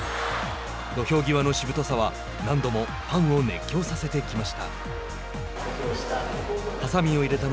土俵際のしぶとさは何度もファンを熱狂させてきました。